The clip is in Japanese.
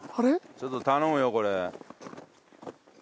ちょっと頼むよこれ。